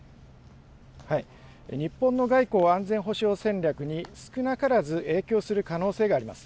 日本の外交・安全保障戦略に少なからず影響する可能性があります。